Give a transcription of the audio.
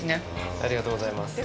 ありがとうございます。